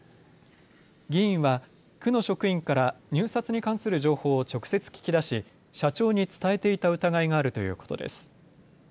議員は区の職員から入札に関する情報を直接聞き出し社長に伝えていた疑いがあるということです。